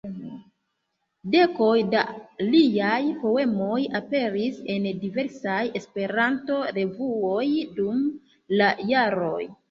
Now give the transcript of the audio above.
Dekoj da liaj poemoj aperis en diversaj Esperanto-revuoj dum la jaroj.